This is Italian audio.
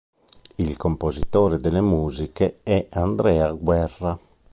Il compositore delle musiche è Andrea Guerra.